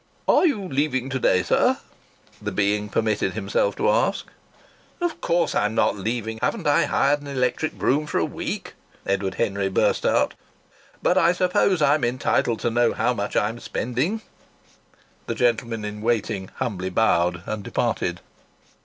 "Are you leaving to day, sir?" the being permitted himself to ask. "Of course I'm not leaving to day! Haven't I hired an electric brougham for a week?" Edward Henry burst out. "But I suppose I'm entitled to know how much I'm spending!" The gentleman in waiting humbly bowed and departed.